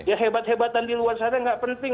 ya hebat hebatan di luar sana nggak penting